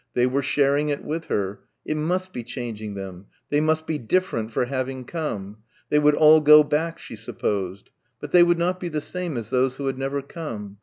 They were sharing it with her. It must be changing them. They must be different for having come. They would all go back she supposed. But they would not be the same as those who had never come.